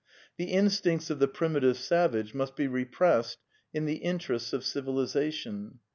The instincts of the primitive savage must be repressed in the interests of civilization.